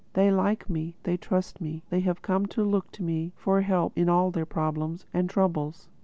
They like me; they trust me; they have come to look to me for help in all their problems and troubles.